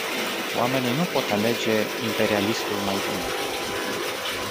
Oamenii nu pot alege "imperialistul mai bun”.